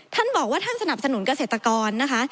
ท่านบอกว่าท่านสนับสนุนเกษตรกรนะคะ